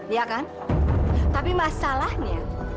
iya kan tapi masalahnya